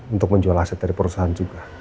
untuk menjual aset dari perusahaan juga